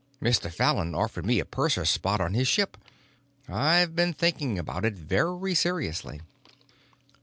Mr. Fallon offered me a purser's spot on his ship; I've been thinking about it very seriously."